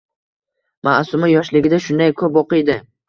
— Maʼsuma yoshligidan shunday: koʼp oʼqiydi.